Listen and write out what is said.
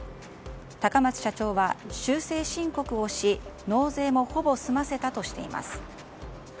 高松社長は修正申告をし納税もほぼ済ませたとしています。